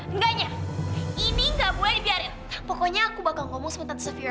enggaknya ini gak boleh dibiarin pokoknya aku bakal ngomong sama tante saphira